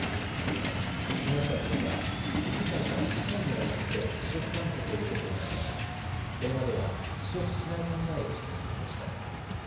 木下議員は都議会から２回にわたって辞職勧告を受けていましたがこれまでは辞職しない考えを示していました。